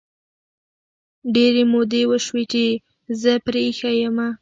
ډیري مودې وشوی چې هغه زه پری ایښي یمه